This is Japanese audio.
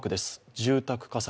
住宅火災。